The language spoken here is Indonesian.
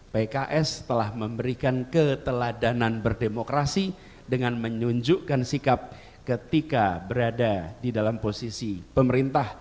pks telah memberikan keteladanan berdemokrasi dengan menunjukkan sikap ketika berada di dalam posisi pemerintah